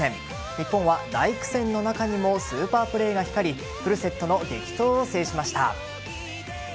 日本は大苦戦の中にもスーパープレーが光りフルセットの激闘を制しました。